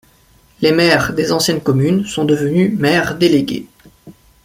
Les maires des anciennes communes sont devenus maires délégués.